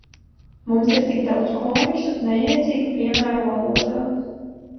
Mums ir tik daudz komisku, nejēdzīgu piemēru valodā.